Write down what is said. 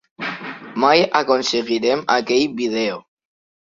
Mai aconseguirem aquell vídeo.